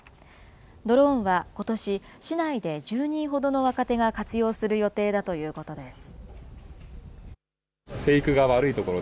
ドローンはことし、市内で１０人ほどの若手が活用する予定だということです。